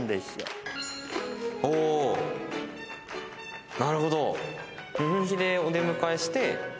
おなるほど。